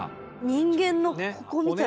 人間のここみたいな。